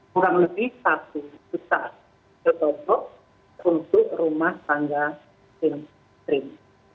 kurang lebih satu setah desktop untuk rumah tangga mainstream